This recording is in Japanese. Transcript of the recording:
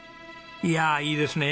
いやいいですね。